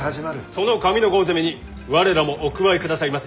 その上ノ郷攻めに我らもお加えくださいませ！